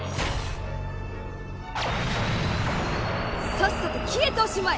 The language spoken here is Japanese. さっさと消えておしまい！